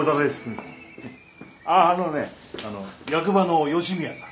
あっあのね役場の吉宮さん。